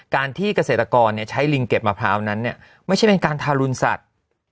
การที่เกษตรกรใช้ลิงเก็บมะพร้าวนั้นไม่ใช่เป็นการทารุณสัตว์